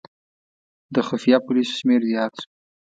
د خفیه پولیسو شمېر زیات شو.